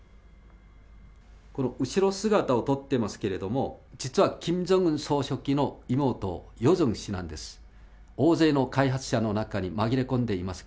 この後ろ姿を撮ってますけれども、実はキム・ジョンウン総書記の妹、ヨジョン氏なんです。